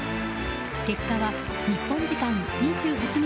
結果は日本時間２８日